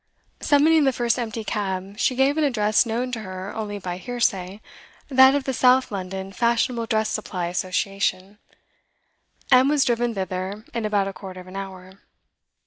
Summoning the first empty cab, she gave an address known to her only by hearsay, that of the South London Fashionable Dress Supply Association, and was driven thither in about a quarter of an hour.